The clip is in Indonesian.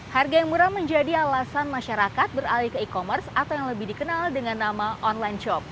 harga yang murah menjadi alasan masyarakat beralih ke e commerce atau yang lebih dikenal dengan nama online shop